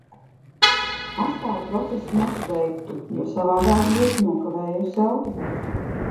Atstāju procesu nepabeigtu, jo savādāk būtu nokavējusi autobusu.